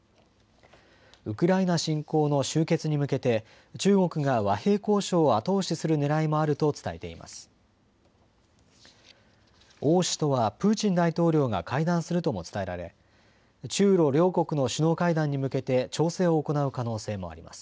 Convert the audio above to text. ウクライナ侵攻の終結に向けて中国が和平交渉を後押しするねらいもあると伝えています。